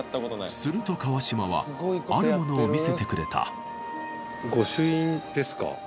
すると川島はあるものを見せてくれた御朱印ですか？